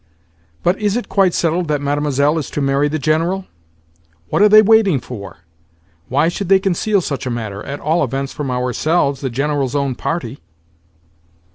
"But is it quite settled that Mlle. is to marry the General? What are they waiting for? Why should they conceal such a matter—at all events from ourselves, the General's own party?"